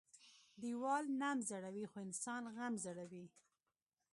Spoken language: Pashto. ـ ديوال نم زړوى خو انسان غم زړوى.